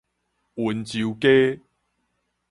溫州街